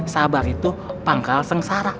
sabar itu pangkal sengsara